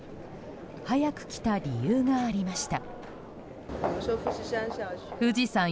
早く来た理由がありました。